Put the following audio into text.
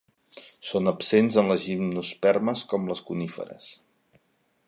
Són absents en les gimnospermes com les coníferes.